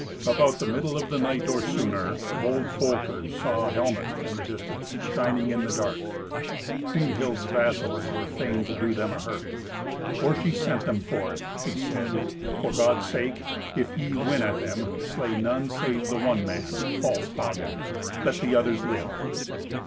About the middle of the night, or sooner, bold Folker saw a helmet in the distance, shining in the dark. Kriemhild's vassals were fain to do them a hurt. Or she sent them forth, she said, "For God's sake, if ye win at them, slay none save the one man, false Hagen; let the others live."